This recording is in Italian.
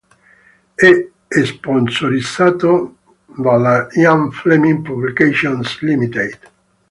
È sponsorizzato dalla Ian Fleming Publications Ltd.